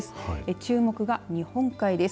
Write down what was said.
注目は日本海側です。